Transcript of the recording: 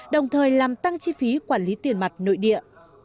đồng thời làm tăng chi phí quản lý tiền mặt nội địa